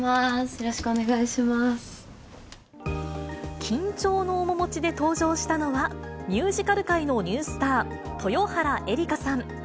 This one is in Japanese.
よろしくお願い緊張の面持ちで登場したのは、ミュージカル界のニュースター、豊原江理佳さん。